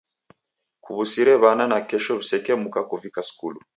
Kuw'usire w'ana nakesho w'isekemuka kuvika skulu